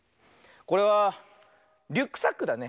これはリュックサックだね。